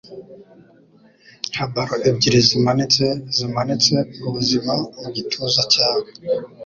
nka ballon ebyiri zimanitse zimanitse ubuzima mugituza cyawe